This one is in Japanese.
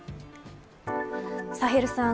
サヘルさん